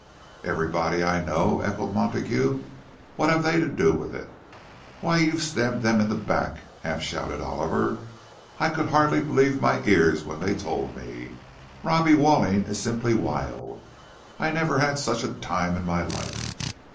"Everybody I know!" echoed Montague. "What have they to do with it?" "Why, you've stabbed them in the back!" half shouted Oliver. "I could hardly believe my ears when they told me. Robbie Walling is simply wild—I never had such a time in my life."